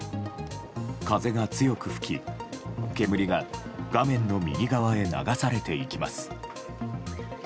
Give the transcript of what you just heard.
風が強く吹き、煙が画面の右側へ流されていきます。